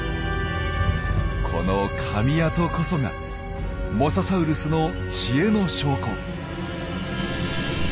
このかみ跡こそがモササウルスの知恵の証拠。